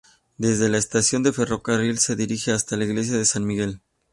Desde la estación del ferrocarril se dirige hasta la Iglesia de San Miguel.